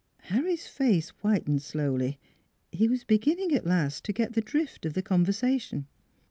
Harry's face whitened slowly. He was begin ning at last to get the drift of the conversation.